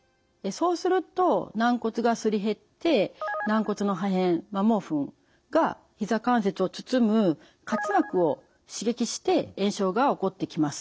そうすると軟骨がすり減って軟骨の破片摩耗粉がひざ関節を包む滑膜を刺激して炎症が起こってきます。